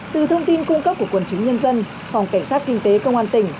từ thông tin cung cấp của quần chúng nhân dân phòng cảnh sát kinh tế công an tỉnh